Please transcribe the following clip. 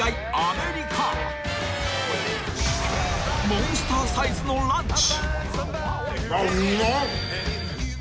［モンスターサイズのランチ］